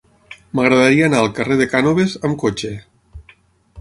M'agradaria anar al carrer de Cànoves amb cotxe.